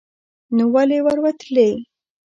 نو ولې ور وتلې